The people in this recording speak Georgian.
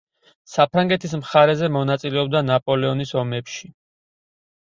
საფრანგეთის მხარეზე მონაწილეობდა ნაპოლეონის ომებში.